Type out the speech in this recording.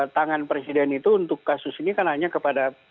tangan presiden itu untuk kasus ini kan hanya kepada